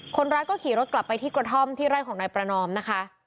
คนร้ายก็ขี่รถกลับไปที่กระท่อมที่ไร่ของนายประนอมนะคะ